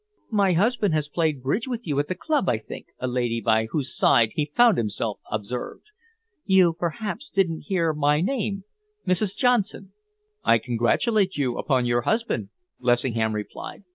"My husband has played bridge with you at the club, I think," a lady by whose side he found himself observed. "You perhaps didn't hear my name Mrs. Johnson?" "I congratulate you upon your husband," Lessingham replied.